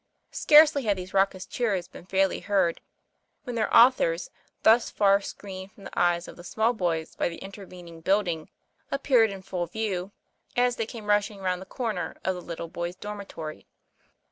Scarcely had these raucous cheers been fairly heard, when their authors, thus far screened from the eyes of the small boys by the intervening build ing, appeared in full view, as they came rushing round the corner of the " little boys' dormitory."